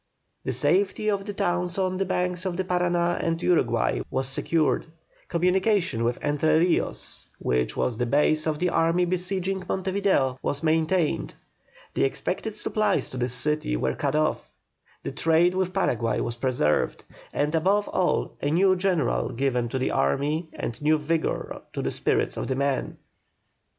The safety of the towns on the banks of the Parana and Uruguay was secured; communication with Entre Rios, which was the base of the army besieging Monte Video, was maintained; the expected supplies to this city were cut off; the trade with Paraguay was preserved; and above all, a new general given to the army and new vigour to the spirits of the men.